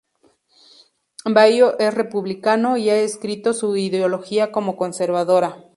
Baio es republicano y ha descrito su ideología como conservadora.